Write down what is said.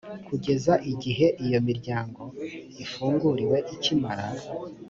kugeza igihe iyo miryango ifunguriwe ikimara